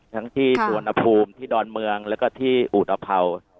ทั้งที่สวนภูมิที่ดอนเมืองแล้วก็ที่อุตภัวร์